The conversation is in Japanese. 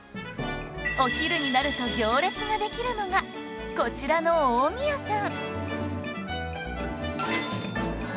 お昼になると行列ができるのがこちらの近江やさん